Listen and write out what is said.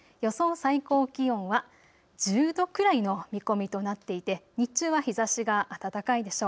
最高気温は１０度くらいの見込みとなっていて日中は日ざしが暖かいでしょう。